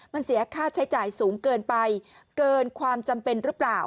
มันเสียค่าใช้จ่ายสูงเกินไปเกินความจำเป็นหรือเปล่า